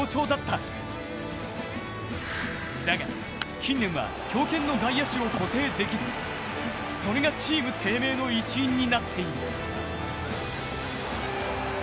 だが近年は強肩の外野手を固定できずそれがチーム低迷の一因になっている。